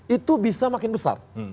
itu bisa makin besar